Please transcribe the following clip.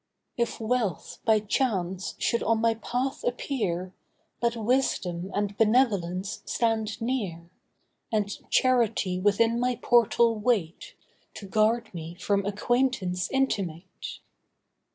If Wealth, by chance, should on my path appear, Let Wisdom and Benevolence stand near, And Charity within my portal wait, To guard me from acquaintance intimate.